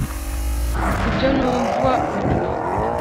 ibyo numva ubu.